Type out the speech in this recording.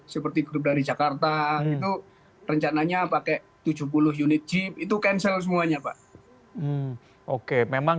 seperti grup dari jakarta itu rencananya pakai tujuh puluh unit jeep itu cancel semuanya pak oke memang